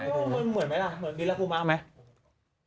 เหมือนมั้ยล่ะเหมือนมีลักษณ์ผู้ม้าไหม